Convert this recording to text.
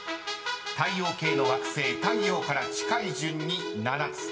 ［太陽系の惑星太陽から近い順に７つ］